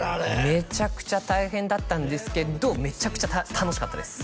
めちゃくちゃ大変だったんですけどめちゃくちゃ楽しかったです